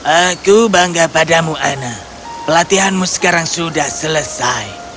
aku bangga padamu ana pelatihanmu sekarang sudah selesai